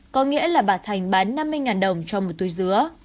có nghĩa là bà thành bán năm mươi đồng cho một túi dứa